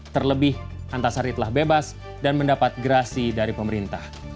terlebih antasari telah bebas dan mendapat gerasi dari pemerintah